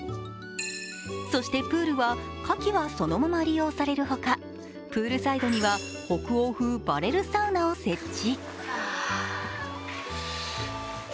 そして、プールは夏季はそのまま利用されるほか、プールサイドには北欧風バレルサウナを設置。